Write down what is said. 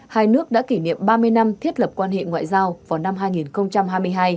hai nước đã kỷ niệm ba mươi năm thiết lập quan hệ ngoại giao vào năm hai nghìn hai mươi hai